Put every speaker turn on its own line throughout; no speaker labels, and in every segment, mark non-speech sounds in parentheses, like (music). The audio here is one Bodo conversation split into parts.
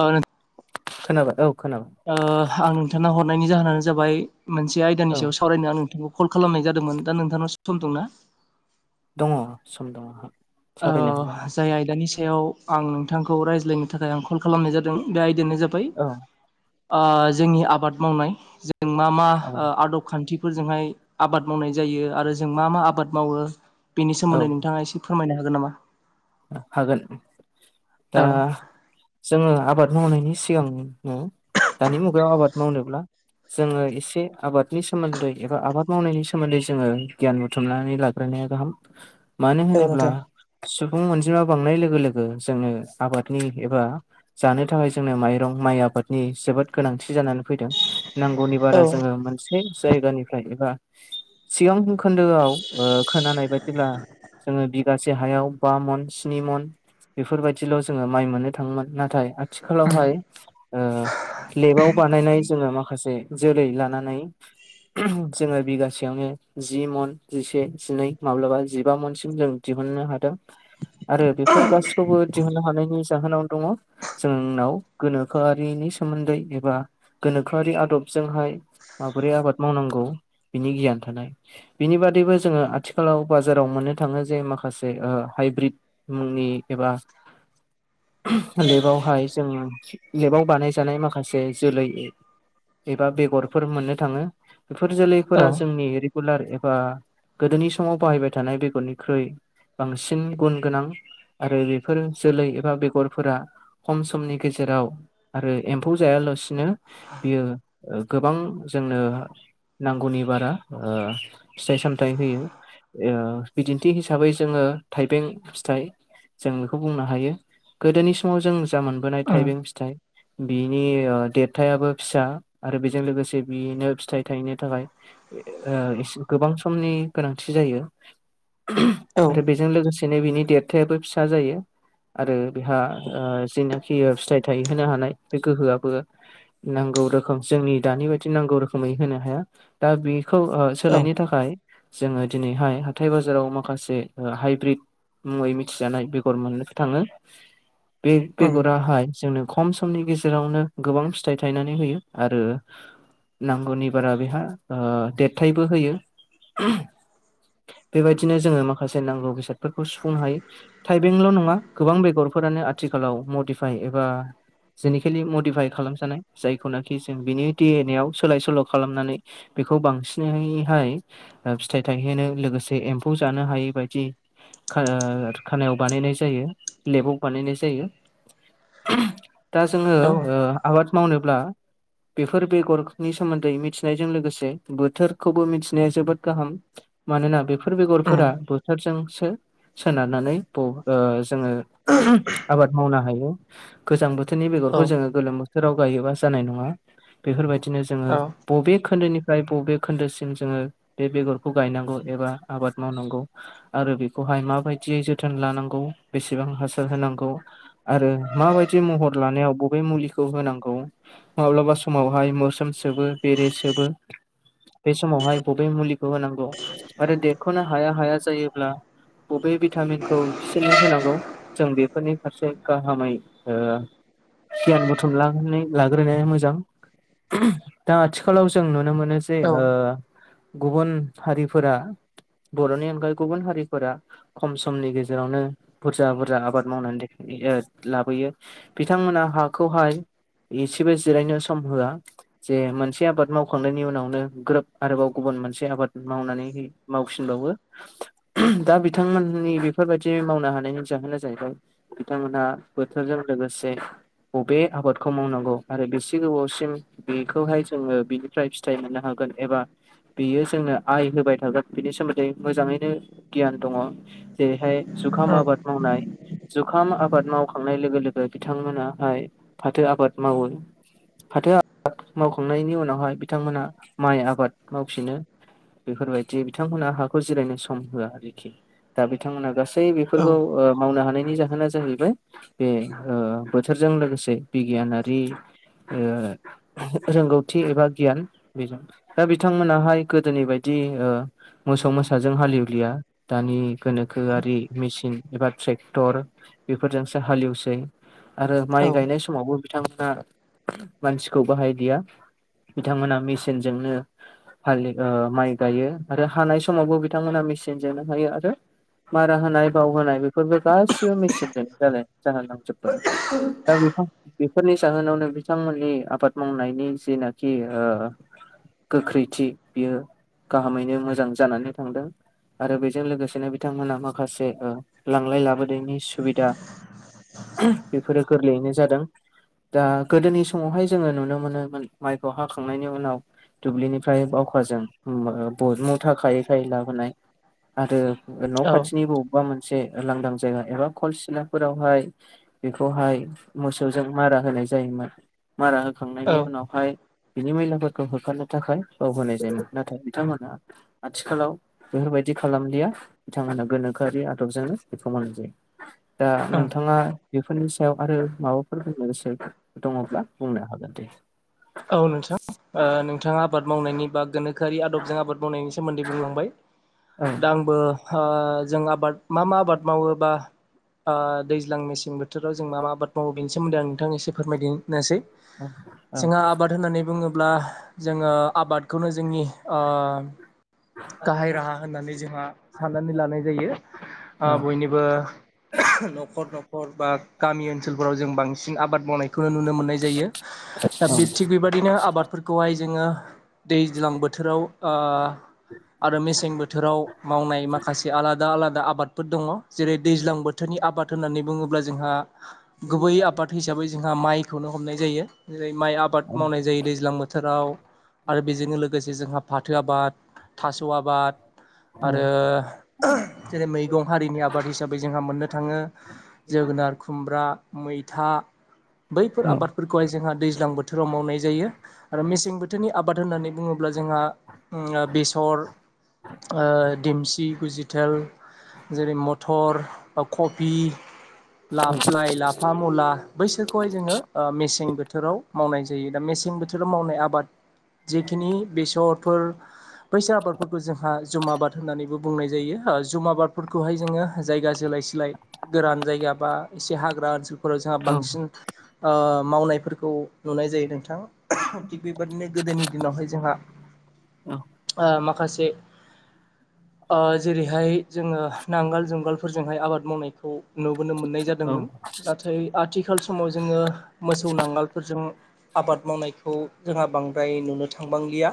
ओ नो
खोनाबाद औ खोनाबाय
ओ आं नोंथांनो हरनायनि जाहोनानो जाबाय मोनसे
औ
आयदानि सायाव सावरायनो आं नोंथांखौ कल खालामनाय जादोंमोन दा नोंथांनाव सम दंना?
दङ सम दङ आंहा
ओ
सावरायनो हागोन
जाय आयदानि सायाव आं नोंथांखौ रायज्लायनो थाखाय आं कल खालामनाय जादों बे आय दायानो जाबाय
औ
ओ जोंनि आबाद मावनाय जों मा मा
आबाद
ओ आदब खान्थिफोरजोंहाय आबाद माव नाय जायो आरो जों मा मा आबाद मावो बेनि
औ
सोमोन्दै नोंथाङा एसे फोरमायनो हागोन नामा?
हागोन दा
औ
जोङो आबाद मावनायनि सिगां दानि मुगायाव आबाद मावनोब्ला जोङो एसे आबादनि सोमोन्दै एबा आबाद मावनायनि सोमोन्दै जोङो गियान बुथुमनानै लाग्रो नाया गाहाम मानो
औ
होनोब्ला
नोंथां
सु सुबुं अनजिमा बांनाय लोगो लोगो जोंनो आबादनि एबा जानो थाखाय जोंनो माइरं माइ आ बादनि जोबोद गोनांथि जानानै फैदों नांगौनि बारा
औ
जोङो मोनसे जायगानिफ्राय एबा सिगां खोन्दोआव खोनानाय बायदिब्ला जोङो बिगासे हायाव बा मन स्नि मन बेफोरबायदिल' जोङो माइ मोननो थाङोमोन नाथाय आथिखालावहाय ओ लेबाव बानायनाय जोङो माखासे जेरै लानानै जोङो बिगासेयावनो जि मन जिसे जिनै माब्लाबा जिबा मनसिम जों दिहुन दिहुनो हादों आरो बेफोर गासैखौबो दिहुननो हानायनि‌ जाहोनाव दङ जोंनाव गोनोखोआरिनि सोमोन्दै एबा गोनोखोआरि आदबजोंहाय माबोरै आबाद मावनांगौ? बिनि गियान थानाय बिनि बादैबो जोङो आथिखालाव बाजाराव मोननो थाङो जे माखासे ओ हाइब्रिद मुंनि एबा लेबावहाय जों लेबाव बानायजानाय माखासे जोलै एबा बेगरफोर मोननो थाङो बेफोर जोलैफोरा
औ
जोंनि रे गुलार एबा गोदोनि समाव बाहायबाय थानाय बेगरनिख्रुइ बांसिन सिन गुन गोनां आरो बेफोर जोलै एबा बेगरफोरा खम समनि गेजेराव आरो एम्फौ जायालासिनो बियो ओ गोबां जोंनो नांगौनि बारा ओ फिथाइ सामथाइ होयो ओ बिदिन्थि हिसाबै जोङो थाइबें फिथाइ जों बेखौ बुंनो हायो। गोदोनि समाव जों जा मोनबोनाय
उम
थाइबें फिथाइ बिनि ओ देरथायाबो फिसा आरो बेजों लोगोसे बेनो फिथाइ थायनो थाखाय ओ गोबां समनि गोनांथि जायो।
औ
आरो बेजों लोगोसेनो बिनि देरथायाबो फिसा जायो। आरो बेहा ओ जेनाखि फिथाइ थायहोनो हानाय बे गोहो आबो नांगौ गौ रोखोम जोंनि दानि बायदि नांगौ रोखोमै होनो हाया दा बे खौ ओ
औ
सोलायनो थाखाय जोङो दिनैहाय हाथाय बाजाराव माखासे ओ हाइब्रिद मुङै मिथिजानाय बेगर मोननोसो थाङो बे
उम
बेगराहाय जोंनो खम समनि गेजेरावनो गोबां फिथाइ थायनानै होयो आरो नांगौनि बारा बेहा ओ देरथायबो होयो। बेबायदिनो जोङो मा खासे नांगौ बेसादफोरखौ सुफुंनो हायो थाइबेंल' नङा गोबां बेगरफोरानो आथिखालाव मडिफाइ एबा जेनिकेलि मडिफाइ खालामजानाय जायखौनाखि जों बिनि दि एन ए आव सोलाय सोल' खालामनानै बेखौ बांसिनैहाय शओ फिथाइ थायहोनो लोगोसे एम्फौ जानो हायै बायदि खा-खानायाव बानायनाय जायो लेबाव बानायनाय जायो। दा जोङो
औ
ओ
उम
आबाद मावनोब्ला बेफोर बेगरनि सोमोन्दै मिथिनायजों लोगोसे बोथोरखौबो मिथिनाया जोबोद गाहाम मानोना बेफोर बेगरफोरा बोथोरजोंसो सोनारनानै ब ओ जोङो आबाद मावनो हायो गोजां बोथोर बोथोरनि
औ
बेगरखौ जोङो गोलोम बोथोराव गायोबा जानाय नङा बेफोरबायदिनो जोङो
औ
बबे खोन्दोनि फ्राय बबे खोन्दोसिम जोङो बे बेगरखौ गायनांगौ एबा आबाद मावनांगौ आरो बेखौहाय माबायदियै जोथोन लानांगौ बेसेबां हासार होनांगौ आरो माबायदि महर लानायाव बबे मुलिखौ होनांगौ माब्लाबा समावहाय मोस्रोम सोबो बे बेरे सोबो बे समावहाय बबे मुलिखौ होनांगौ आरो देरख'नो हाया हाया जायोब्ला बबे भिटामिनखौ बिसोरनो होनांगौ जों बेफोरनि फारसे गाहामै ओ गियान बुथुम लांनानै लाग्रोनाया मोजां दा आथिखालाव जों नुनो मोनो नो से
औ
ओ गुबुन हारिफोरा बर'नि अनगायै गुबुन हारिफोरा खम समनि गेजेरावनो बुरजा बुरजा आबाद मावनानै (unintelligible) लाबोयो बिथांमोना हाखौहाय एसेबो जिरायनो सम होआ जे मोनसे आबाद मावखांनायनि उनावनो ग्रोब आरोबाव गुबुन मोनसे आबाद मावनानै मावफिनबावो दा बिथांमोननि बेफोरबायदि मावनो हानायनि जाहोना जाहैबाय बबे आबादखौ मावनांगौ आरो बेसे गोबावसिम बेखौहाय जोङो बिनिफ्राय फिथाइ मोननो हागोन एबा बियो जोंनो आइ होबाय थागोन बिनि सोमोन्दै मोजाङैनो गियान दङ जेरैहाय जुखाम
उम
आबाद मावनाय जुखाम आबाद मावखांनाय लोगो लोगो बिथांमोनाहाय फाथो आबाद मावो फाथो आबाद मावखांनायनि उनावहाय बिथांमोनहा माइ आबाद मावफिनो बेफोरबायदि बिथांमोनहा हाखौ जिरायनो सम होआ आरोखि दा बिथांमोना गासै
औ
बेफोरखौ ओ मावनो हानाय नि जाहोना जाहैबाय बे ओ बोथोरजों लोगोसे बिगियानारि ओ रोंगौथि एबा गियान बेजों दा बिथांमोनाहाय गोदोनि बायदि नि ओ मोसौ मोसाजों हाल एवलिया दानि गोनोखोआरि मेचिन एबा ट्रेक्टर बेफोरजोंसो हालेवसै आरो माइ गायनाय समावबो बिथांमोना मानसिखौ बाहायदिया बिथांमोना मेसिनजोंनो हालि ओ माइ गायो आरो हानाय समावबो बिथांमोना मेचिन मेचिनजोंनो हायो आरो मारा होनाय बाव होनाय बेफोरबो गासिबो मेचनजों (unintelligible) बेफोरनि जाहोनावनो बिथांमोननि आबाद मावनायनि जेनाखि ओ गोख्रैथि बियो गाहामैनो मोजां जानानै थांदों आरो बेजों लोगोसेनो बिथांमोनहा माखासे ओ लांलाय लाबोनायनि सुबिदा बेफोरो गोरलैयैनो जादों दा गोदोनि समावहाय जोङो नुनो मोनोमोन माइखौ हाखांनायनि उनाव दुब्लिनिफ्राय बावखाजों मुथा खायै खायै लाबोनाय आरो न'
औ
खाथिनि बबेबा मोनसे मोनसे लांदां जायगा एबा खलसिलाफोरावहाय बेखौहाय मोसौजों मारा होनाय जायोमोन मारा
औ
होखांनायनि उनावहाय बिनि मैलाफोरखौ होखारनो थाखाय बाव होनाय जायोमोन नाथाय बिथांमोना आथिखालाव बेफोरबायदि बिदि खालामलिया बिथांमोमा गोनोखोआरि आदबजोंनो बेखौ मोननाय जायो दा
औ
नोंथाङा बेफोरनि सायाव आरो माबाफोर बुंनो गोसो दङब्ला बुंनो हागोन दे
औ नोंथां ओ नोंथाङा आबाद मावनायनि बा गोनोखो गोखोआरि आदबजों आबाद मावनायनि सोमोन्दै बुंलांबाय
औ
दा आंबो आ जों आबाद मा मा आबाद मावोबा आ दैज्लां मेसें बोथोराव जों मा आबाद मावो बे सोमोन्दै आं नोंथांने एसे फोरमायदो
औ औ
आबाद होननानै बुङोब्ला जोङो आबादखौनो जोंनि ओ गाहाय राहा होननानै जोंहा साननानै लानाय जायो आ
औ
बयनिबो न'खर न'खर बा गामि ओनसोलफोराव जों बांसिन बांसिन आबाद मावनायखौनो नुनो मोननाय जायो दा बे थिग बेबायदिनो आबादफोरखौहाय जोङो दैज्लां बोथोराव आ आरो मेसें बोथोराव मावनाय माखासे आला दा आलादा आबादफोर दङ जेरै दैज्लां बोथोरनि आबाद होननानै बुङोब्ला जोंहा गुबै आबाद हिसाबै जोंहा माइखौनो हमनाय जायो जेरै माइ आबाद
औ
मावनाय जायो दैज्लां बोथोराव आरो बेजोंनो लोगोसे जोंहा फाथो आबाद थास' आबाद
औ
आरो जेरै मै दं हारिनि आबाद हिसाबै जोंहा मोननो थाङो जोगोनार, खुमब्रा, मैथा बैफोर
औ
आबादफोरखौहाय जोंहा दैज्लां बो थोराव मावनाय जायो आरो मेसें बोथोरनि आबाद होननानै बुङोब्ला जोंहा बेसर देमसि, गुजिथेल जेरै म टर बा कफि लाफ, लाइ, लाफा, मुला बैसोरखौहाय जोङो मेसें बोथोराव मावनाय जायो दा मेसें बोथोराव मावनाय आबाद जेखिनि बेसरफोर बैसोर आबादफोरखौ जोंहा जम आबाद होननानैबो बुंनाय जायो जुम आबादफोरखौहाय जोङो जायगा जोलाय सिलाय गोरान जायगा बा एसे हाग्रा ओनसोलफोराव जोंहा बांसिन आ मावनायफोरखौ नुनाय जायो नोंथां थिग बेबादिनो गोदोनि दिनावहाय जोंहा आ माखासे आ जेरैहाय जोङो नांगोल जुंगालफोरजोंहाय आबाद मावनायखौ नुबोनो मोननाय जादोंमोन नाथाय आथिखाल समाव जोङो मोसौ नांगालफोरजों आबाद मावनायखौ जोंहा बांद्राय नुनो थांबांलिया।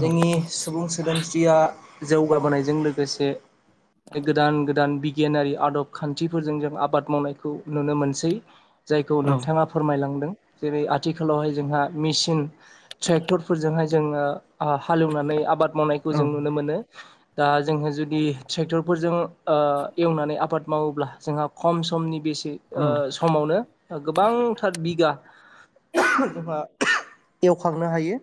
जोंनि सुबुं सोदोमस्रिया जौगाबोनायजों लोगोसे गोदान गोदान बिगियानारि आदब खान्थि फोर जों आबाद मावनायखौ नुनो मोनसै जायखौ
औ
नोंथाङा फोरमायलांदों जेरै ओनसोलावहाय जोंहा मेसिन ट्रेक्टरफोरजोंहाय जोङो हालेवनानै आबाद मावनायखौ
औ
जों नुनो मोनो दा जोंङो जुदि ट्रेक्टरफोरजों ओ एवनानै आबाद मावोब्ला जोंहा खम समनि बेसे
औ
ओ समावनो गोबांथार बिगा (unintelligible) एवखांनो हायो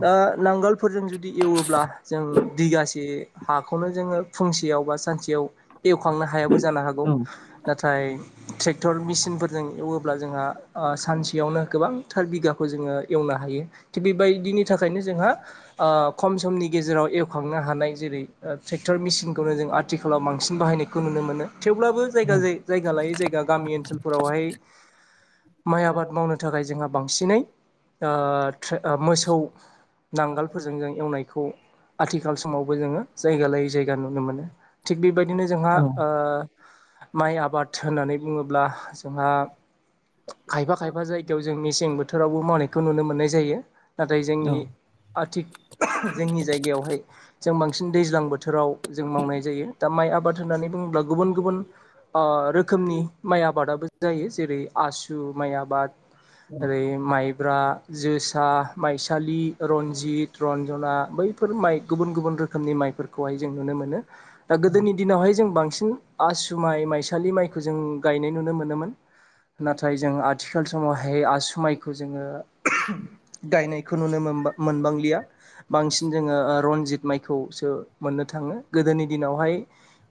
दा नांगोलफोरजों जुदि एवोब्ला जों बिगासे हाखौनो जोङो फुंसेयाव बा सानसेयाव एवखांनो हायाबो जानो हागौ नाथाय ट्रेक्टर मेसिनफोरजों एवोब्ला जोंहा सानसेयावनो गोबां थार बिगाखौ जोङो एवनो हायो थिग बेबायदिनि थाखायनो जोंहा खम समनि गेजेराव एवखांनो हानाय जेरै ट्रेक्टर मेसिनखौनो जों आथिखालाव बांसिन बाहायनायखौ नुनो मोनो। थेवब्लाबो जायगा जायगा लायै जायगा गामि ओनसोलफोरावहाय माइ आबाद मावनो थाखाय जोंहा बांसिनै मोसौ नांगालफोरजों जों एवनायखौ आथिखाल समावबो जोङो जायगा लायै जायगा नुनो मोनो। थिग बेबायदिनो जोंहा ओ माइ आबाद होननानै बुङोब्ला जोंहा खायफा खायफा जायगायाव जों मेसें बो थोरावबो मावनायखौ नुनो मोननाय जायो नाथाय जोंनि आथिख जोंनि जायगायावहाय जों बांसिन दैज्लां बोथोराव जों मावनाय जायो दा माइ आबाद होननानै बुङोब्ला गुबुन गुबुन रोखोमनि माइ आबादाबो जायो जेरै आसु थु माय आबाद ओरै माइब्रा जोसा माइसालि रन्जित रन्जना बैफोर माइ गुबुन गुबुन रोखोमनि माइफोरखौहाय जों नुनो मोनो। दा गोदोनि दिनावहाय जों बांसिन आसु माइ माइसालि माइखौ जों गायनाय नुनो मोनोमोन। नाथाय जों आथिखाल समावहाय आसु बेखौ जोङो गायनायखौ नुनो मोन-मोनबांलिया। बांसिन जोङो ओ रनजित माइखौसो मोननो थाङो। गोदोनि दिनावहाय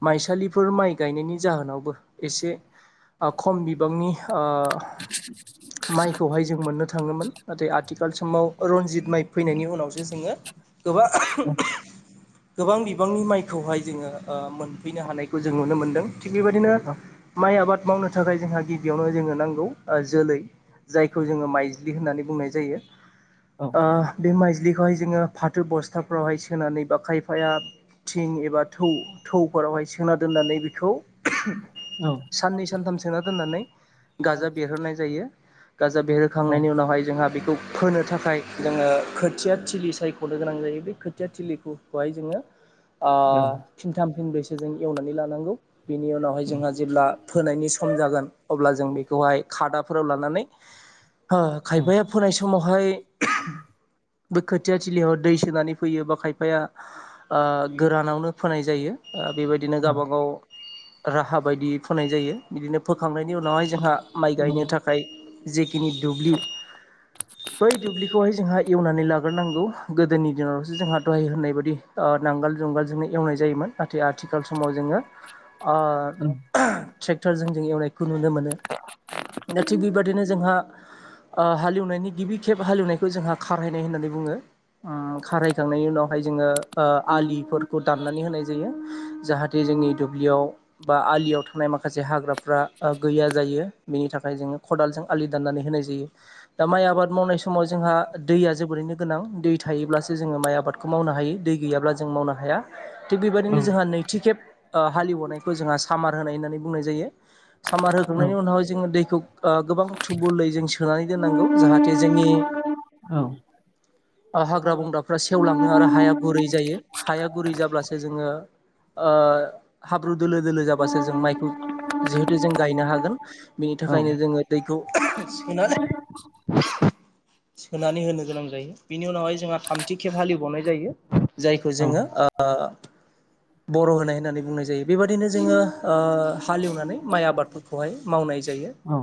माइसालिफोर माइ गायनायनि जाहोनावबो एसे। ओ खम बिबांनि ओ माइखौहाय जों मोननो थाङोमोन। नाथाय आथिखाल समाव रनजित माइ फैनायनि उनावसो जोङो गोबां। गोबां बिबांनि माइखौहाय जोङो ओ मोनफैनो हानायखौ जों नुनो मोनदों। थिग बेबायदिनो माइ आबाद मावनो थाखाय जोंहा गिबियावनो जोंनो नांगौ ओ जोलै। जायखौ जोङो माइज्लि होननानै बुंनाय जायो ओ बे माइ। ज्लिखौहाय जोङो फाथो बस्थाफ्रावहाय सोनानै बा खायफाया थिं एबा थौ-थौफोरावहाय। सोना दोननानै बेखौ। साननै, सानथाम सोना दोननानै गाजा बेरहरनाय जायो। गाजा बेरहोखांनायनि उनावहाय जोंहा बेखौ फोनो थाखाय जोङो खोथिया थिलि सायख'नो। गोनां जायो बे खोथिया थिलि फोरखौहाय जोङो ओ फिनथाम फिनब्रैसो जों एवनानै ला। बिनि उनावहाय जोंहा जेब्ला फोनायनि सम जागोन अब्ला जों बेखौहाय खादाफोराव लानानै। ओ खायफाया फोनाय समावहाय। बे खोथिया थिलियाव दै सोनानै फैयो बा खायफाया ओ गोरानावनो फोनाय जायो। ओ बेबायदिनो गावबागाव राहा बायदि फोनाय जायो बिदिनो फोखांनाय। नि उनावहाय जोंहा माइ गायनो थाखाय। बे खिनि दुब्लि बै दुब्लिखौहाय जोंहा एवनानै लाग्रोनांगोन। गोदोनि दिनाव'सो जोंहा दहाय होननाय बायदि ओ नांगोल, जुंगालजोंनो एवनाय जायोमोन नाथाय आथिखाल स। माव जोङो ओ ट्रेक्टरजों जों एवनायखौ नुनो मोनो। दा थिग बिबादिनो। ओ हालेवनायनि गिबि खेब हालेवनायखौ जोंहा खारहायनाय होननानै बुङो। ओ खारायखांनायनि उनावहाय जोङो ओ आलिफोरखौ दाननानै होनाय जायो। जाहाते जोंनि दुब्लियाव बा आलियाव थानाय माखासे हाग्राफ्रा ओ गैया जायो बेनि थाखाय। दा जों खदालजों। आलि दाननानै होनाय जायो दा माइ आबाद मावनाय समाव जोंहा दैया जोबोरैनो गोनां दै थायोब्लासो। जोङो माइ आबादखौ मावनो हायो दै गैयाब्ला जों मावनो हाया। थिग बेबायदिनो जोंहा नैथि खेब ओ हालेवनायखौ जोंहा सामार होनाय होननानै बुंनाय जायो। सामार होखांनायनि उनावहाय जोङो दैखौ। ओ गोबां थुबलै जों सोनानै दोननांगौ जाहाते जोंनि।
(inaudible)
ओ हाग्रा बंग्राफ्रा सेवलाङो आरो हाया गुरै जायो हाया गुरै जाब्लासो जोङो ‌। ओ हाब्रु दोलो-दोलो जाबासो जों माइखौ। जिहेतु जों गायनो हागोन बेनि थाखायनो जोङो दैखौ सोनानै। (unintelligible) सोनानै होनो गोनां जायो बिनि उनावहाय जोंहा थामथि खेब हालेबावनाय जायो जायखौ
औ
जोङो ओ। ओ। बर' होनाय होननानै बुंनाय जायो बेबायदिनो जोङो ओ हालेवनानै माइ आबादफोरखौहाय मावनाय। जायो।
औ